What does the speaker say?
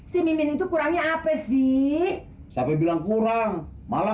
si mimin itu kurangnya apa sih sampai bilang kurang malah